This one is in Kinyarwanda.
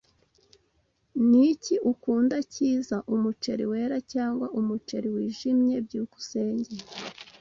Niki ukunda cyiza, umuceri wera cyangwa umuceri wijimye? byukusenge